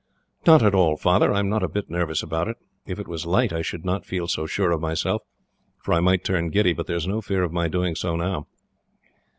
"Not at all, Father. I am not a bit nervous about it. If it was light, I should not feel so sure of myself, for I might turn giddy; but there is no fear of my doing so now."